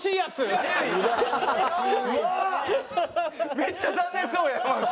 めっちゃ残念そう山内。